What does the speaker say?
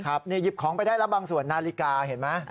หยิบของไปได้แล้วบางส่วนนาฬิกาเห็นไหม